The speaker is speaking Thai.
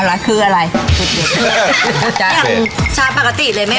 อย่างซ้าปกติเลยไหม